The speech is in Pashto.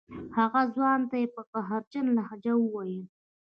هغه ځوان ته یې په قهرجنه لهجه وویل.